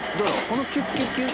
このキュッキュッキュッ？